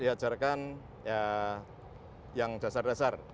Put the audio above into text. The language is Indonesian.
kita diajarkan yang dasar dasar